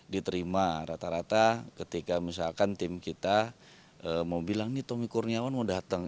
diterima rata rata ketika misalkan tim kita mau bilang nih tommy kurniawan mau datang